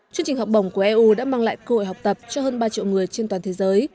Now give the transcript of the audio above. chương trình học bổng của eu đã mang lại cơ hội học tập cho hơn ba triệu người trên toàn thế giới